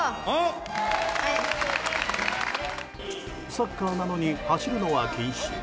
サッカーなのに走るのは禁止。